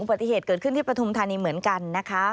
ปฏิเหตุเกิดขึ้นที่ปฐุมธานีเหมือนกันนะคะ